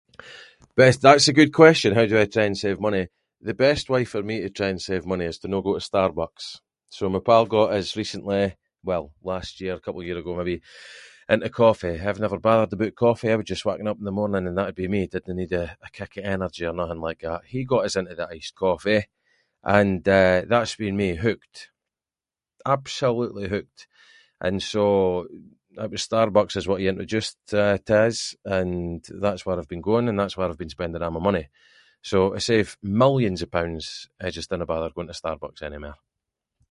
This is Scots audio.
Best- that’s a good question, how do I try and save money, the best way for me to try and save money is to no go to Starbucks, so my pal got us recently, well last year, a couple of year ago maybe, into coffee, I’ve never bothered aboot coffee, I would just waken up in the morning and that’d be me, didnae need a kick of energy or nothing like that, he got us into the iced coffee, and eh, that’s been me hooked, absolutely hooked, and so, it was Starbucks is what he introduced to us, and that’s where I’ve been going and that’s where I’ve been spending a’ my money. So, to save millions of pounds, I just dinna bother going to Starbucks anymair.